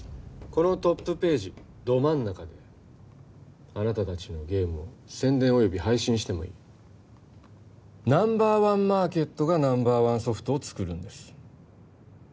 このトップページど真ん中であなた達のゲームを宣伝および配信してもいいナンバーワンマーケットがナンバーワンソフトを作るんです